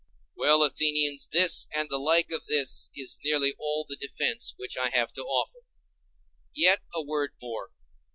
Well, Athenians, this and the like of this is nearly all the defence which I have to offer. Yet a word more.